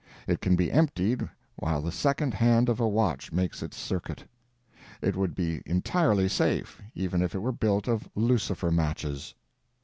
It can be emptied while the second hand of a watch makes its circuit. It would be entirely safe, even if it were built of lucifer matches.